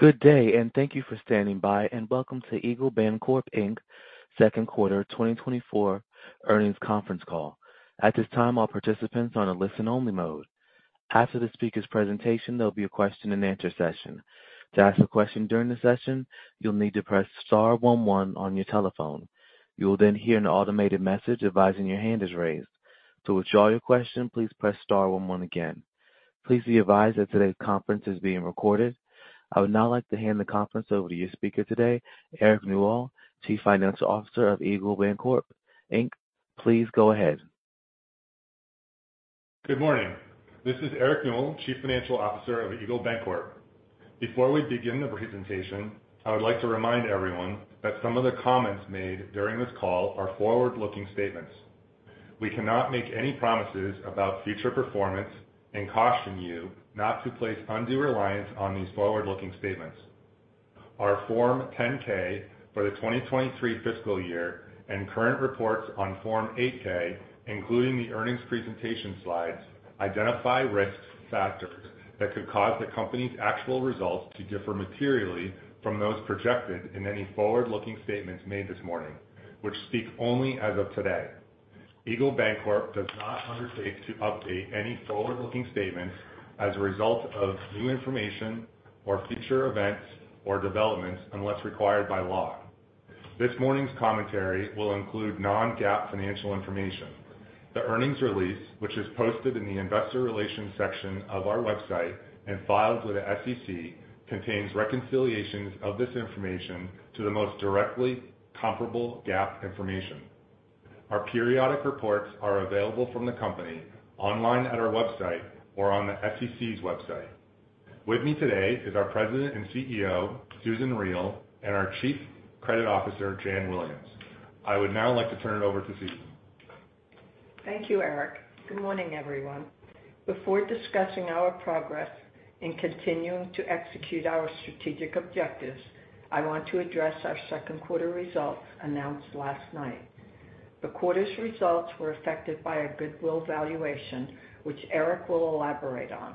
Good day, and thank you for standing by, and welcome to Eagle Bancorp, Inc. Q2 2024 earnings conference call. At this time, all participants are on a listen-only mode. After the speaker's presentation, there'll be a question-and-answer session. To ask a question during the session, you'll need to press star one-one on your telephone. You will then hear an automated message advising your hand is raised. To withdraw your question, please press star one-one again. Please be advised that today's conference is being recorded. I would now like to hand the conference over to your speaker today, Eric Newell, Chief Financial Officer of Eagle Bancorp, Inc. Please go ahead. Good morning. This is Eric Newell, Chief Financial Officer of Eagle Bancorp. Before we begin the presentation, I would like to remind everyone that some of the comments made during this call are forward-looking statements. We cannot make any promises about future performance and caution you not to place undue reliance on these forward-looking statements. Our Form 10-K for the 2023 fiscal year and current reports on Form 8-K, including the earnings presentation slides, identify risk factors that could cause the company's actual results to differ materially from those projected in any forward-looking statements made this morning, which speak only as of today. Eagle Bancorp does not undertake to update any forward-looking statements as a result of new information or future events or developments unless required by law. This morning's commentary will include non-GAAP financial information. The earnings release, which is posted in the investor relations section of our website and filed with the SEC, contains reconciliations of this information to the most directly comparable GAAP information. Our periodic reports are available from the company online at our website or on the SEC's website. With me today is our President and CEO, Susan Riel, and our Chief Credit Officer, Jan Williams. I would now like to turn it over to Susan. Thank you, Eric. Good morning, everyone. Before discussing our progress and continuing to execute our strategic objectives, I want to address our Q2 results announced last night. The quarter's results were affected by a goodwill valuation, which Eric will elaborate on.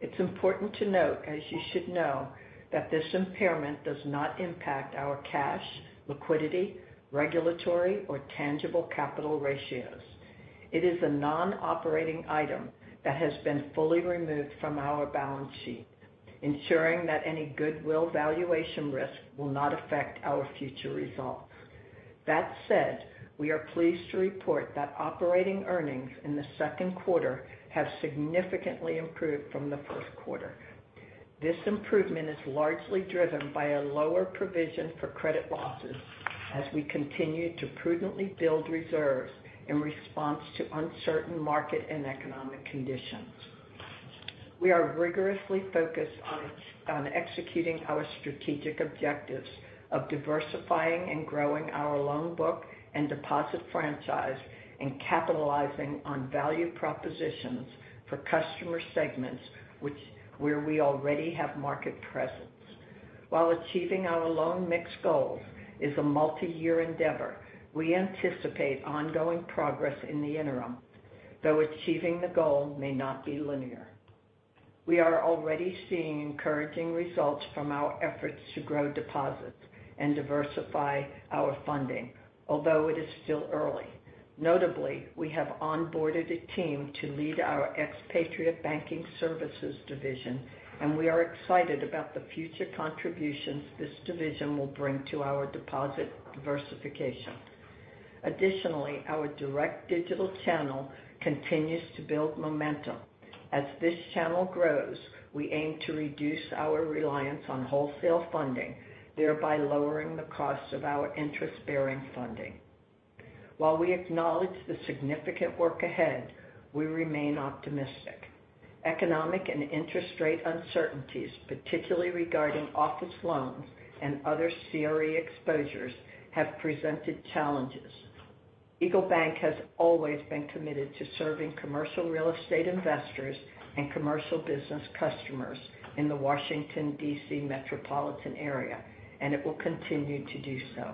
It's important to note, as you should know, that this impairment does not impact our cash, liquidity, regulatory, or tangible capital ratios. It is a non-operating item that has been fully removed from our balance sheet, ensuring that any goodwill valuation risk will not affect our future results. That said, we are pleased to report that operating earnings in the Q2 have significantly improved from the Q1. This improvement is largely driven by a lower provision for credit losses as we continue to prudently build reserves in response to uncertain market and economic conditions. We are rigorously focused on executing our strategic objectives of diversifying and growing our loan book and deposit franchise and capitalizing on value propositions for customer segments where we already have market presence. While achieving our loan mix goals is a multi-year endeavor, we anticipate ongoing progress in the interim, though achieving the goal may not be linear. We are already seeing encouraging results from our efforts to grow deposits and diversify our funding, although it is still early. Notably, we have onboarded a team to lead our expatriate banking services division, and we are excited about the future contributions this division will bring to our deposit diversification. Additionally, our direct digital channel continues to build momentum. As this channel grows, we aim to reduce our reliance on wholesale funding, thereby lowering the cost of our interest-bearing funding. While we acknowledge the significant work ahead, we remain optimistic. Economic and interest rate uncertainties, particularly regarding office loans and other CRE exposures, have presented challenges. Eagle Bancorp has always been committed to serving commercial real estate investors and commercial business customers in the Washington, D.C. metropolitan area, and it will continue to do so.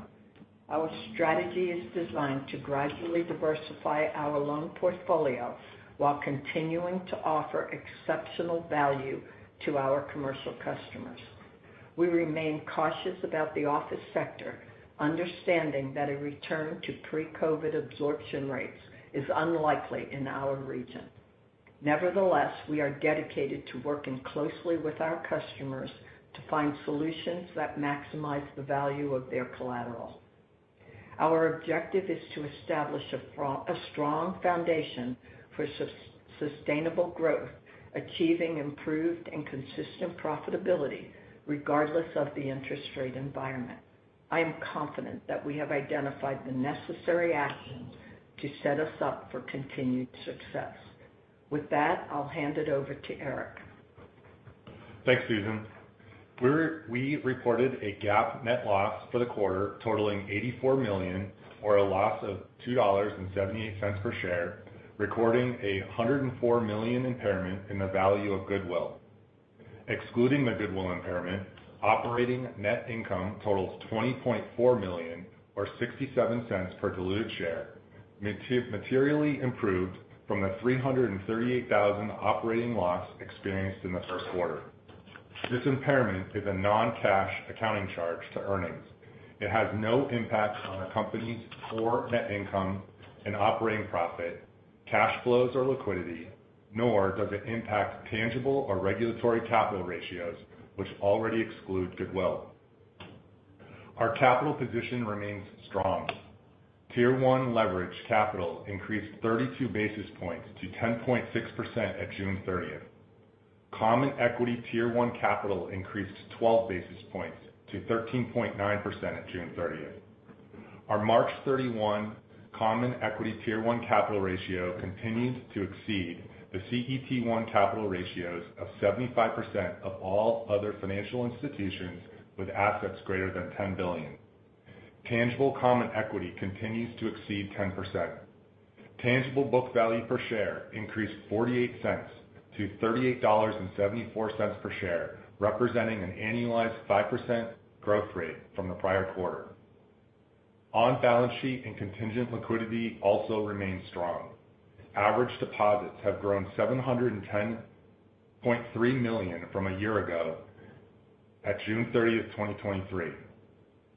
Our strategy is designed to gradually diversify our loan portfolio while continuing to offer exceptional value to our commercial customers. We remain cautious about the office sector, understanding that a return to pre-COVID absorption rates is unlikely in our region. Nevertheless, we are dedicated to working closely with our customers to find solutions that maximize the value of their collateral. Our objective is to establish a strong foundation for sustainable growth, achieving improved and consistent profitability regardless of the interest rate environment. I am confident that we have identified the necessary actions to set us up for continued success. With that, I'll hand it over to Eric. Thanks, Susan. We reported a GAAP net loss for the quarter totaling $84 million, or a loss of $2.78 per share, recording a $104 million impairment in the value of goodwill. Excluding the goodwill impairment, operating net income totals $20.4 million, or $0.67 per diluted share, materially improved from the $338,000 operating loss experienced in the Q1. This impairment is a non-cash accounting charge to earnings. It has no impact on the company's core net income and operating profit, cash flows, or liquidity, nor does it impact tangible or regulatory capital ratios, which already exclude goodwill. Our capital position remains strong. Tier 1 leverage capital increased 32 basis points to 10.6% at June 30th. Common Equity Tier 1 capital increased 12 basis points to 13.9% at June 30th. Our March 31 Common Equity Tier-1 capital ratio continues to exceed the CET-1 capital ratios of 75% of all other financial institutions with assets greater than $10 billion. Tangible common equity continues to exceed 10%. Tangible book value per share increased $0.48 to $38.74 per share, representing an annualized 5% growth rate from the prior quarter. On-balance sheet and contingent liquidity also remain strong. Average deposits have grown $710.3 million from a year ago at June 30th, 2023.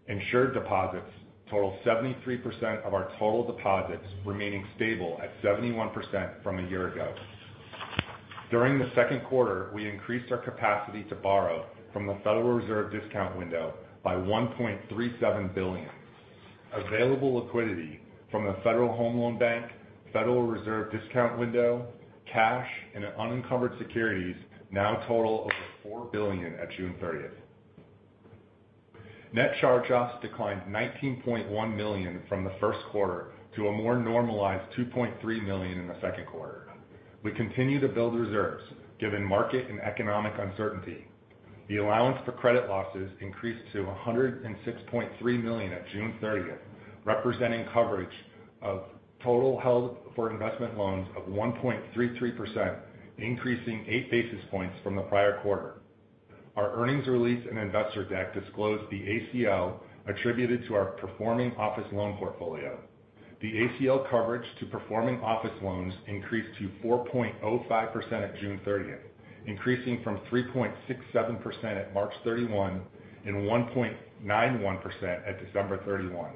Insured deposits total 73% of our total deposits, remaining stable at 71% from a year ago. During the Q2, we increased our capacity to borrow from the Federal Reserve discount window by $1.37 billion. Available liquidity from the Federal Home Loan Bank, Federal Reserve discount window, cash, and unencumbered securities now total over $4 billion at June 30th. Net charge-offs declined $19.1 million from the Q1 to a more normalized $2.3 million in the Q2. We continue to build reserves given market and economic uncertainty. The allowance for credit losses increased to $106.3 million at June 30th, representing coverage of total held for investment loans of 1.33%, increasing 8 basis points from the prior quarter. Our earnings release and investor deck disclosed the ACL attributed to our performing office loan portfolio. The ACL coverage to performing office loans increased to 4.05% at June 30th, increasing from 3.67% at March 31 and 1.91% at December 31.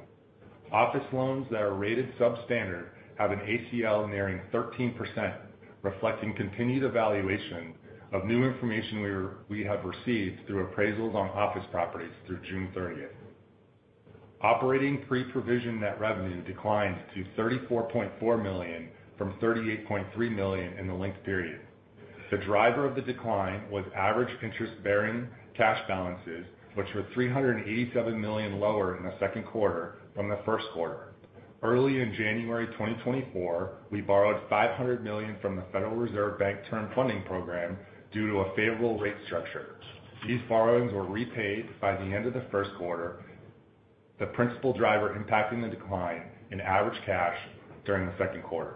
Office loans that are rated substandard have an ACL nearing 13%, reflecting continued evaluation of new information we have received through appraisals on office properties through June 30th. Operating pre-provision net revenue declined to $34.4 million from $38.3 million in the linked period. The driver of the decline was average interest-bearing cash balances, which were $387 million lower in the Q2 than the Q1. Early in January 2024, we borrowed $500 million from the Federal Reserve Bank term funding program due to a favorable rate structure. These borrowings were repaid by the end of the Q1, the principal driver impacting the decline in average cash during the Q2.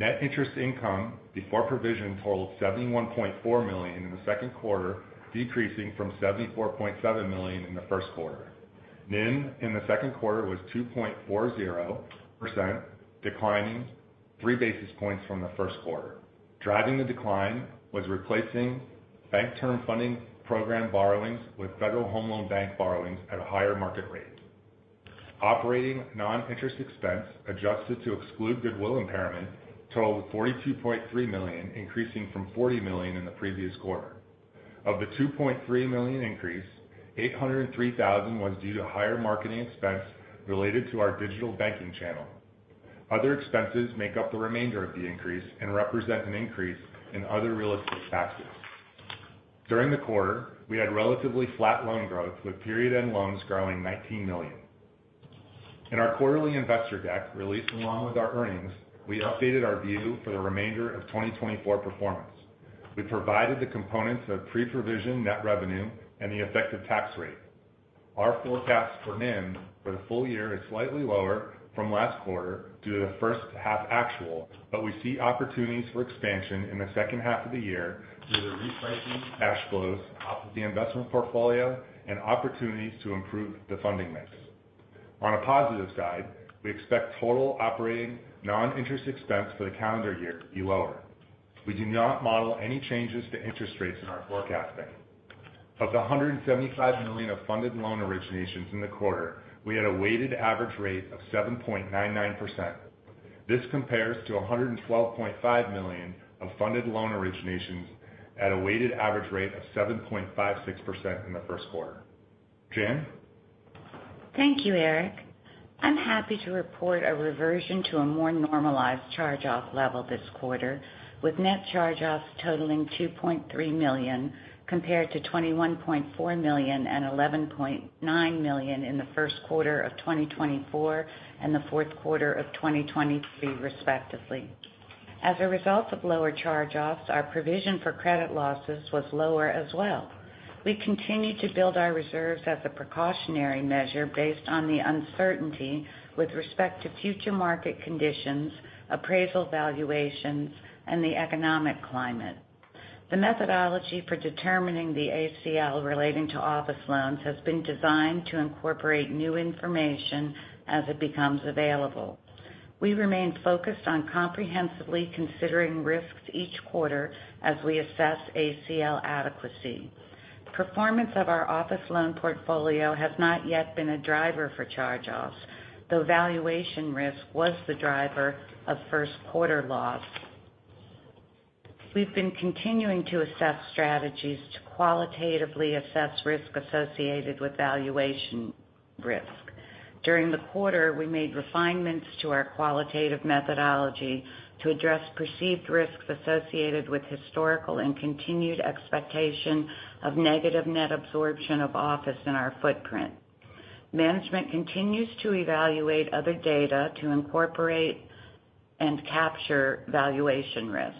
Net interest income before provision totaled $71.4 million in the Q2, decreasing from $74.7 million in the Q1. NIM in the Q2 was 2.40%, declining 3 basis points from the Q1. Driving the decline was replacing Bank Term Funding Program borrowings with Federal Home Loan Bank borrowings at a higher market rate. Operating non-interest expense adjusted to exclude goodwill impairment totaled $42.3 million, increasing from $40 million in the previous quarter. Of the $2.3 million increase, $803,000 was due to higher marketing expense related to our digital banking channel. Other expenses make up the remainder of the increase and represent an increase in other real estate taxes. During the quarter, we had relatively flat loan growth with period-end loans growing $19 million. In our quarterly investor deck released along with our earnings, we updated our view for the remainder of 2024 performance. We provided the components of pre-provision net revenue and the effective tax rate. Our forecast for NIM for the full year is slightly lower from last quarter due to the first half actual, but we see opportunities for expansion in the second half of the year due to repricing cash flows off of the investment portfolio and opportunities to improve the funding mix. On a positive side, we expect total operating non-interest expense for the calendar year to be lower. We do not model any changes to interest rates in our forecasting. Of the $175 million of funded loan originations in the quarter, we had a weighted average rate of 7.99%. This compares to $112.5 million of funded loan originations at a weighted average rate of 7.56% in the Q1. Jan? Thank you, Eric. I'm happy to report a reversion to a more normalized charge-off level this quarter, with net charge-offs totaling $2.3 million compared to $21.4 million and $11.9 million in the Q1 of 2024 and the Q4 of 2023, respectively. As a result of lower charge-offs, our provision for credit losses was lower as well. We continue to build our reserves as a precautionary measure based on the uncertainty with respect to future market conditions, appraisal valuations, and the economic climate. The methodology for determining the ACL relating to office loans has been designed to incorporate new information as it becomes available. We remain focused on comprehensively considering risks each quarter as we assess ACL adequacy. Performance of our office loan portfolio has not yet been a driver for charge-offs, though valuation risk was the driver of Q1 loss. We've been continuing to assess strategies to qualitatively assess risk associated with valuation risk. During the quarter, we made refinements to our qualitative methodology to address perceived risks associated with historical and continued expectation of negative net absorption of office in our footprint. Management continues to evaluate other data to incorporate and capture valuation risk.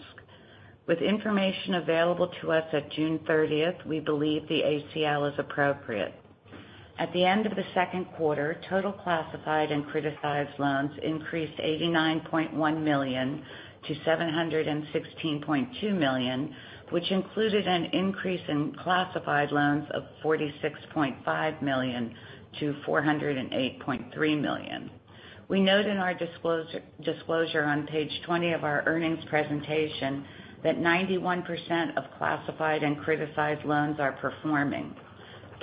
With information available to us at June 30th, we believe the ACL is appropriate. At the end of the Q2, total classified and criticized loans increased $89.1 million to $716.2 million, which included an increase in classified loans of $46.5 million to $408.3 million. We note in our disclosure on page 20 of our earnings presentation that 91% of classified and criticized loans are performing.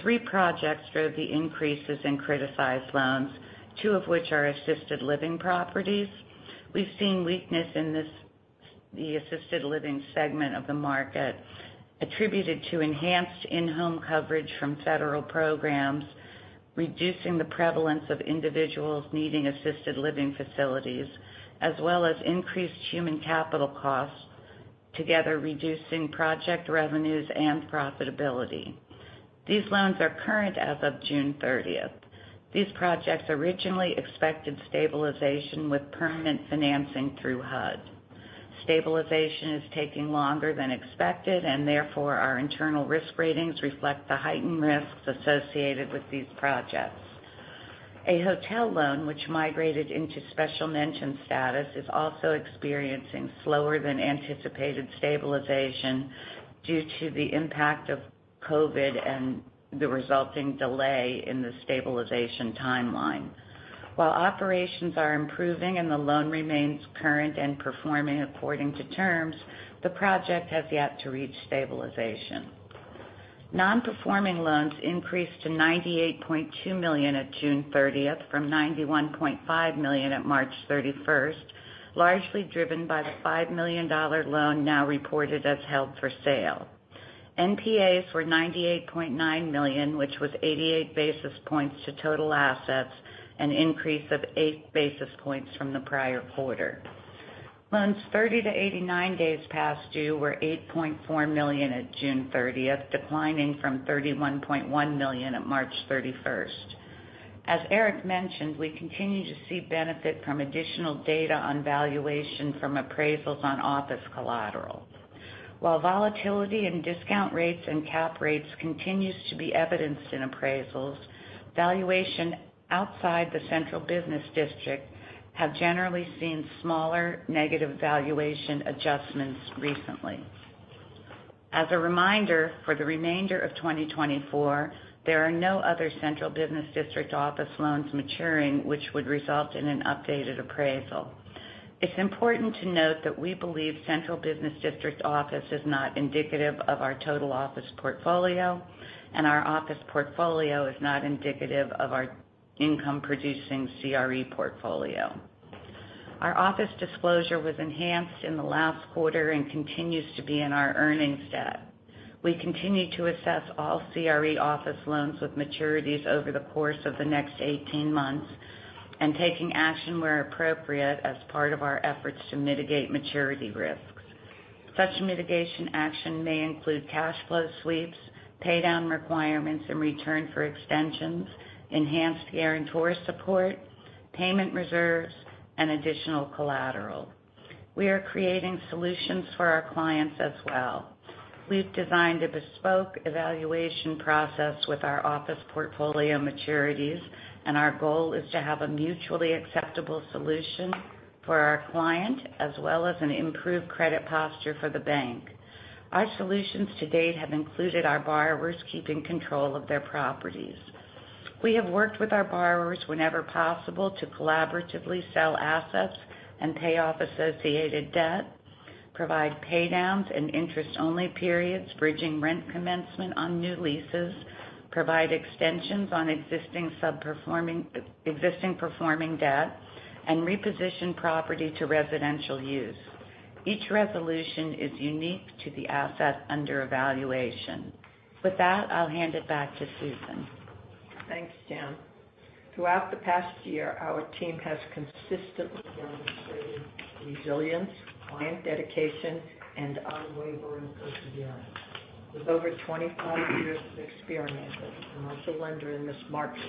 Three projects drove the increases in criticized loans, two of which are assisted living properties. We've seen weakness in the assisted living segment of the market attributed to enhanced in-home coverage from federal programs, reducing the prevalence of individuals needing assisted living facilities, as well as increased human capital costs, together reducing project revenues and profitability. These loans are current as of June 30th. These projects originally expected stabilization with permanent financing through HUD. Stabilization is taking longer than expected, and therefore our internal risk ratings reflect the heightened risks associated with these projects. A hotel loan, which migrated into special mention status, is also experiencing slower than anticipated stabilization due to the impact of COVID and the resulting delay in the stabilization timeline. While operations are improving and the loan remains current and performing according to terms, the project has yet to reach stabilization. Non-performing loans increased to $98.2 million at June 30th from $91.5 million at March 31st, largely driven by the $5 million loan now reported as held for sale. NPAs were $98.9 million, which was 88 basis points to total assets, an increase of 8 basis points from the prior quarter. Loans 30 to 89 days past due were $8.4 million at June 30th, declining from $31.1 million at March 31st. As Eric mentioned, we continue to see benefit from additional data on valuation from appraisals on office collateral. While volatility in discount rates and cap rates continues to be evidenced in appraisals, valuation outside the Central Business District has generally seen smaller negative valuation adjustments recently. As a reminder, for the remainder of 2024, there are no other Central Business District office loans maturing which would result in an updated appraisal. It's important to note that we believe Central Business District office is not indicative of our total office portfolio, and our office portfolio is not indicative of our income-producing CRE portfolio. Our office disclosure was enhanced in the last quarter and continues to be in our earnings stack. We continue to assess all CRE office loans with maturities over the course of the next 18 months and taking action where appropriate as part of our efforts to mitigate maturity risks. Such mitigation action may include cash flow sweeps, paydown requirements and return for extensions, enhanced guarantor support, payment reserves, and additional collateral. We are creating solutions for our clients as well. We've designed a bespoke evaluation process with our office portfolio maturities, and our goal is to have a mutually acceptable solution for our client as well as an improved credit posture for the bank. Our solutions to date have included our borrowers keeping control of their properties. We have worked with our borrowers whenever possible to collaboratively sell assets and pay off associated debt, provide paydowns and interest-only periods, bridging rent commencement on new leases, provide extensions on existing performing debt, and reposition property to residential use. Each resolution is unique to the asset under evaluation. With that, I'll hand it back to Susan. Thanks, Jan. Throughout the past year, our team has consistently demonstrated resilience, client dedication, and unwavering perseverance. With over 25 years of experience as a commercial lender in this market,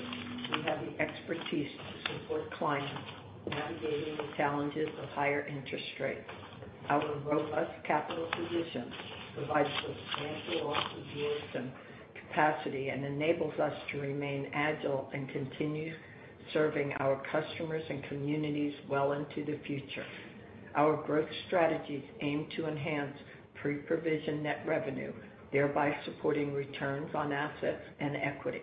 we have the expertise to support clients navigating the challenges of higher interest rates. Our robust capital position provides substantial office growth and capacity and enables us to remain agile and continue serving our customers and communities well into the future. Our growth strategies aim to enhance pre-provision net revenue, thereby supporting returns on assets and equity.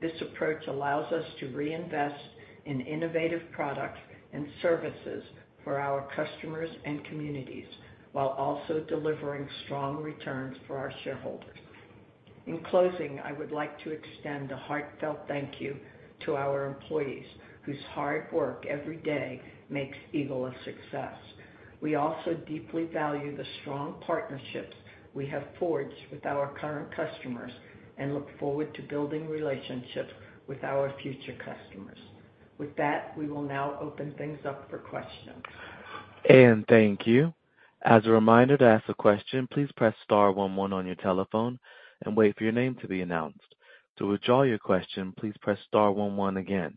This approach allows us to reinvest in innovative products and services for our customers and communities while also delivering strong returns for our shareholders. In closing, I would like to extend a heartfelt thank you to our employees whose hard work every day makes Eagle a success. We also deeply value the strong partnerships we have forged with our current customers and look forward to building relationships with our future customers. With that, we will now open things up for questions. And thank you. As a reminder to ask a question, please press star 11 on your telephone and wait for your name to be announced. To withdraw your question, please press star 11 again.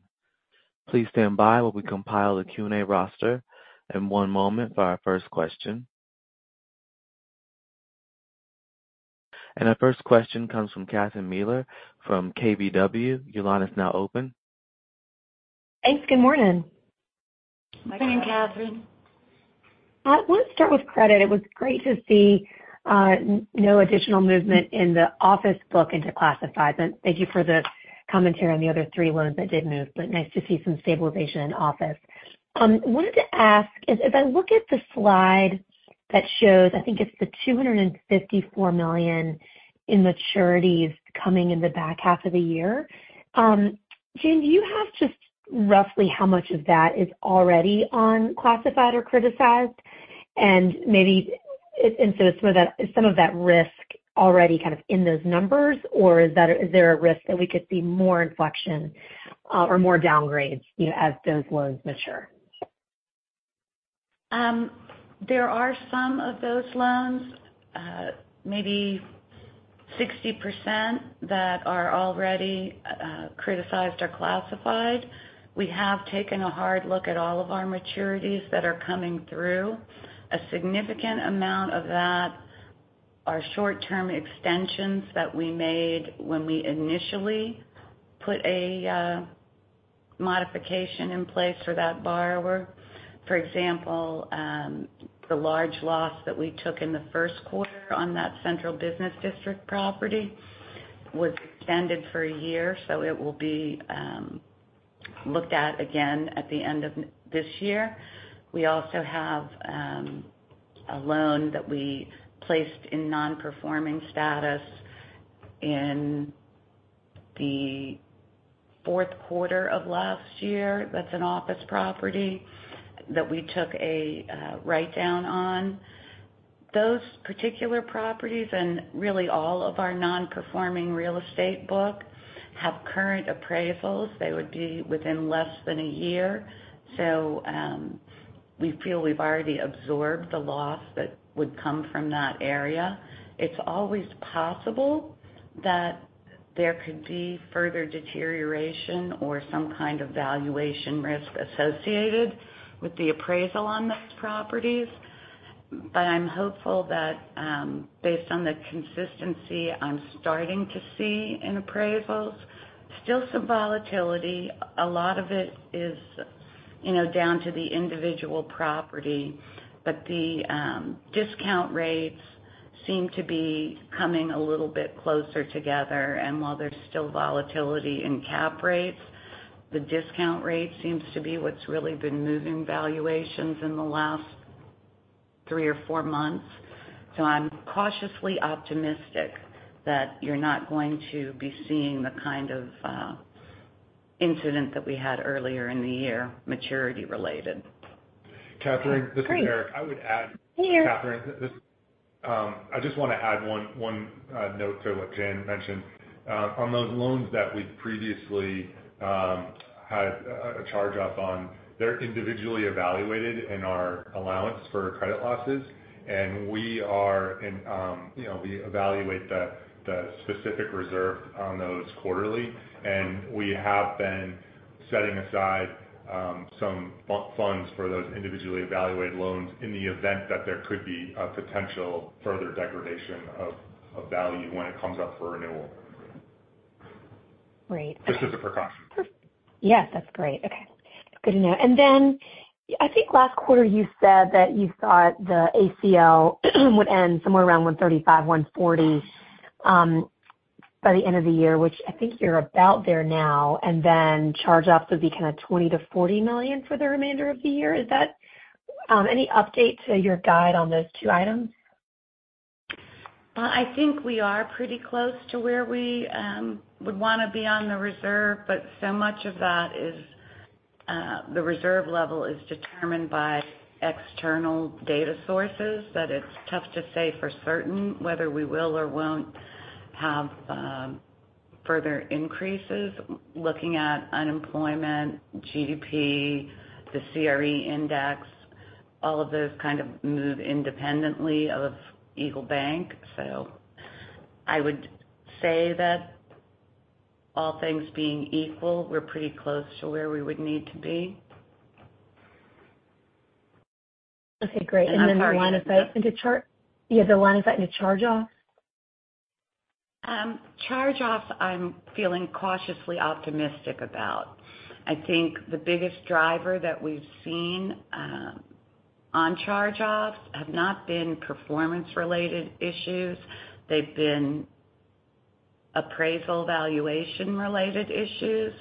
Please stand by while we compile the Q&A roster and one moment for our first question. And our first question comes from Catherine Mealor from KBW. Your line is now open. Thanks. Good morning. Good morning, Catherine. I want to start with credit. It was great to see no additional movement in the office book into classifieds. And thank you for the commentary on the other three loans that did move, but nice to see some stabilization in office. I wanted to ask, as I look at the slide that shows, I think it's the $254 million in maturities coming in the back half of the year. Jan, do you have just roughly how much of that is already on classified or criticized? And maybe, and so some of that risk already kind of in those numbers, or is there a risk that we could see more inflection or more downgrades as those loans mature? There are some of those loans, maybe 60%, that are already criticized or classified. We have taken a hard look at all of our maturities that are coming through. A significant amount of that are short-term extensions that we made when we initially put a modification in place for that borrower. For example, the large loss that we took in the Q1 on that Central Business District property was extended for a year, so it will be looked at again at the end of this year. We also have a loan that we placed in non-performing status in the Q4 of last year that's an office property that we took a write-down on. Those particular properties and really all of our non-performing real estate book have current appraisals. They would be within less than a year, so we feel we've already absorbed the loss that would come from that area. It's always possible that there could be further deterioration or some kind of valuation risk associated with the appraisal on those properties, but I'm hopeful that based on the consistency I'm starting to see in appraisals. Still some volatility. A lot of it is down to the individual property, but the discount rates seem to be coming a little bit closer together. And while there's still volatility in cap rates, the discount rate seems to be what's really been moving valuations in the last three or four months. So I'm cautiously optimistic that you're not going to be seeing the kind of incident that we had earlier in the year, maturity-related. Catherine, this is Eric. I would add, Catherine, I just want to add one note to what Jan mentioned. On those loans that we previously had a charge-off on, they're individually evaluated in our allowance for credit losses, and we evaluate the specific reserve on those quarterly, and we have been setting aside some funds for those individually evaluated loans in the event that there could be a potential further degradation of value when it comes up for renewal. Great. This is a precaution. Perfect. Yes, that's great. Okay. Good to know. And then I think last quarter you said that you thought the ACL would end somewhere around $135 million-$140 million by the end of the year, which I think you're about there now, and then charge-offs would be kind of $20 million-$40 million for the remainder of the year. Is that any update to your guide on those two items? I think we are pretty close to where we would want to be on the reserve, but so much of that is the reserve level is determined by external data sources that it's tough to say for certain whether we will or won't have further increases. Looking at unemployment, GDP, the CRE index, all of those kind of move independently of EagleBank. So I would say that all things being equal, we're pretty close to where we would need to be. Okay. Great. And then the line of sight into charge-off? Charge-offs, I'm feeling cautiously optimistic about. I think the biggest driver that we've seen on charge-offs have not been performance-related issues. They've been appraisal valuation-related issues.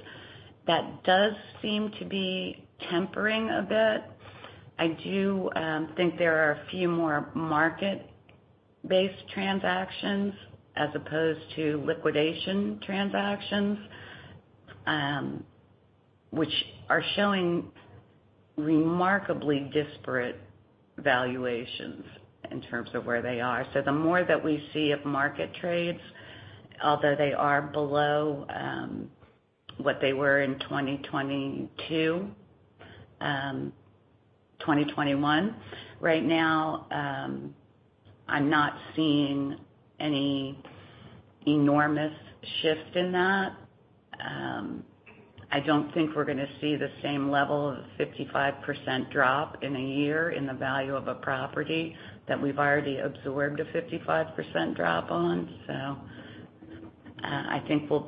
That does seem to be tempering a bit. I do think there are a few more market-based transactions as opposed to liquidation transactions, which are showing remarkably disparate valuations in terms of where they are. So the more that we see of market trades, although they are below what they were in 2022, 2021, right now, I'm not seeing any enormous shift in that. I don't think we're going to see the same level of 55% drop in a year in the value of a property that we've already absorbed a 55% drop on. So I think we'll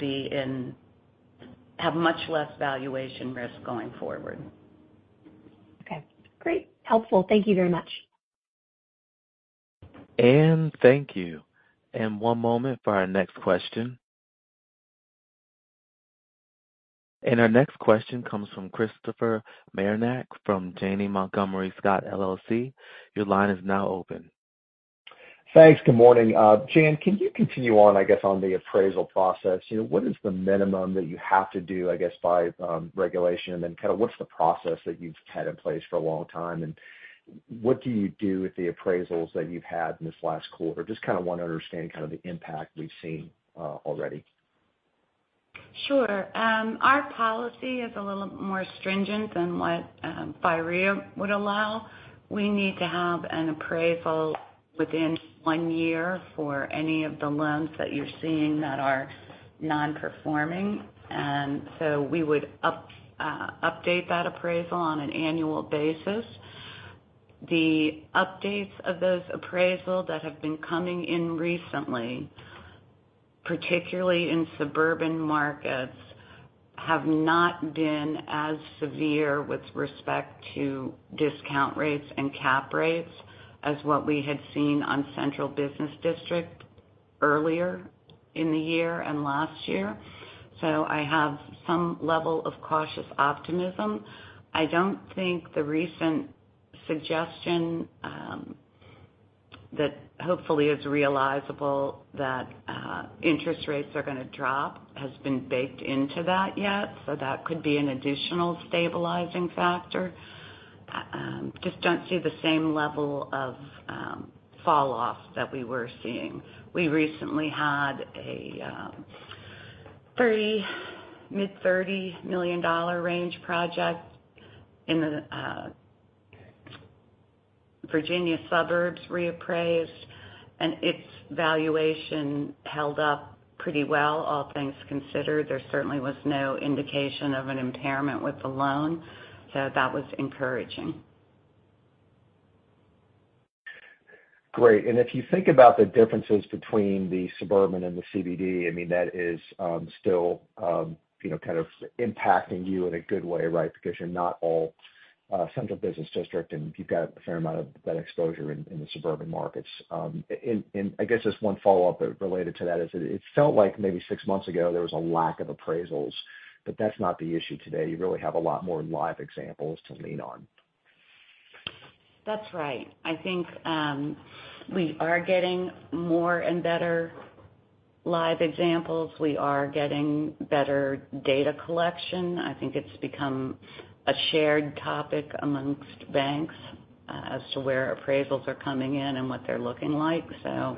have much less valuation risk going forward. Okay. Great. Helpful. Thank you very much. Thank you. One moment for our next question. Our next question comes from Christopher Marinac from Janney Montgomery Scott, LLC. Your line is now open. Thanks. Good morning. Jan, can you continue on, I guess, on the appraisal process? What is the minimum that you have to do, I guess, by regulation? And then kind of what's the process that you've had in place for a long time? And what do you do with the appraisals that you've had in this last quarter? Just kind of want to understand kind of the impact we've seen already. Sure. Our policy is a little more stringent than what FIRREA would allow. We need to have an appraisal within one year for any of the loans that you're seeing that are non-performing. And so we would update that appraisal on an annual basis. The updates of those appraisals that have been coming in recently, particularly in suburban markets, have not been as severe with respect to discount rates and cap rates as what we had seen on Central Business District earlier in the year and last year. So I have some level of cautious optimism. I don't think the recent suggestion that hopefully is realizable that interest rates are going to drop has been baked into that yet. So that could be an additional stabilizing factor. Just don't see the same level of falloff that we were seeing. We recently had a mid-$30 million range project in the Virginia suburbs reappraised, and its valuation held up pretty well, all things considered. There certainly was no indication of an impairment with the loan, so that was encouraging. Great. If you think about the differences between the suburban and the CBD, I mean, that is still kind of impacting you in a good way, right? Because you're not all Central Business District, and you've got a fair amount of that exposure in the suburban markets. I guess just one follow-up related to that is that it felt like maybe six months ago there was a lack of appraisals, but that's not the issue today. You really have a lot more live examples to lean on. That's right. I think we are getting more and better live examples. We are getting better data collection. I think it's become a shared topic among banks as to where appraisals are coming in and what they're looking like. So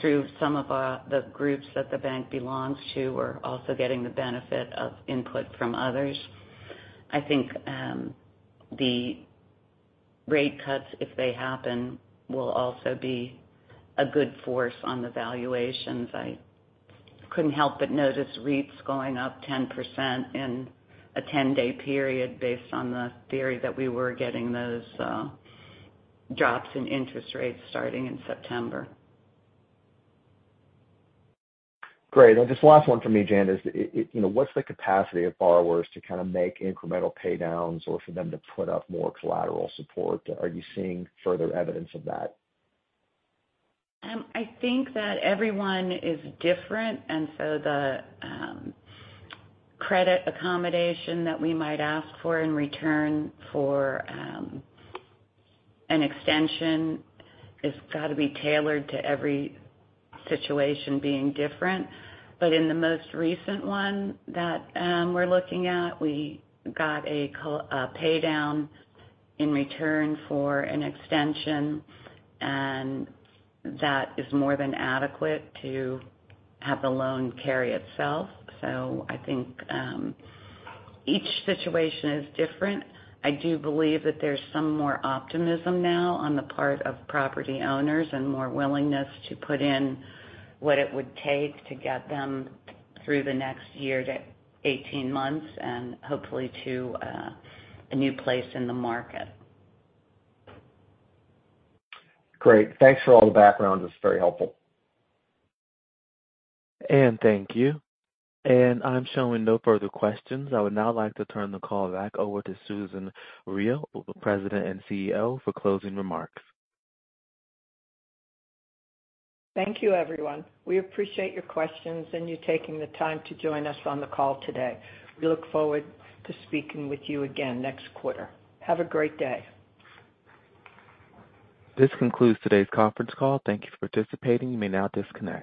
through some of the groups that the bank belongs to, we're also getting the benefit of input from others. I think the rate cuts, if they happen, will also be a good force on the valuations. I couldn't help but notice REITs going up 10% in a 10-day period based on the theory that we were getting those drops in interest rates starting in September. Great. Just the last one for me, Jan, is what's the capacity of borrowers to kind of make incremental paydowns or for them to put up more collateral support? Are you seeing further evidence of that? I think that everyone is different. So the credit accommodation that we might ask for in return for an extension has got to be tailored to every situation being different. In the most recent one that we're looking at, we got a paydown in return for an extension, and that is more than adequate to have the loan carry itself. I think each situation is different. I do believe that there's some more optimism now on the part of property owners and more willingness to put in what it would take to get them through the next year to 18 months and hopefully to a new place in the market. Great. Thanks for all the background. This is very helpful. Thank you. I'm showing no further questions. I would now like to turn the call back over to Susan Riel, President and CEO, for closing remarks. Thank you, everyone. We appreciate your questions and you taking the time to join us on the call today. We look forward to speaking with you again next quarter. Have a great day. This concludes today's conference call. Thank you for participating. You may now disconnect.